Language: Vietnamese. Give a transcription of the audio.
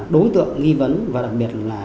đối tượng nghi vấn và đặc biệt là